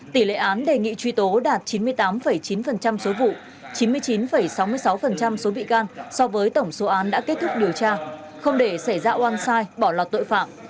tỷ lệ án đề nghị truy tố đạt chín mươi tám chín số vụ chín mươi chín sáu mươi sáu số bị can so với tổng số án đã kết thúc điều tra không để xảy ra oan sai bỏ lọt tội phạm